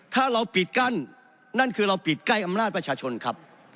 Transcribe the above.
ถ้าเราปิดกั้นนั่นคือเราปิดใกล้อำนาจประชาชนครับ